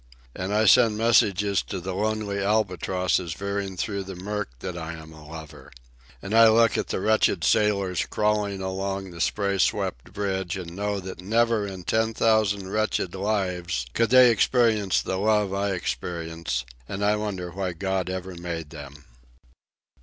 And I send messages to the lonely albatrosses veering through the murk that I am a lover. And I look at the wretched sailors crawling along the spray swept bridge and know that never in ten thousand wretched lives could they experience the love I experience, and I wonder why God ever made them.